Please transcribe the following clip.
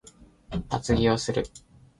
厚着をする